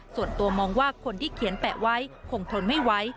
ส่วนตัวมองว่าคนที่เขียนแปะไว้คงทนไม่ไหว